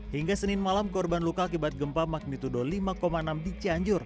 hingga senin malam korban luka akibat gempa magnitudo lima enam di cianjur